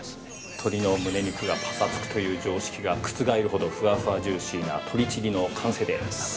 鶏のむね肉がパサつくという常識が覆るほど、フワフワジューシーな鶏チリの完成です。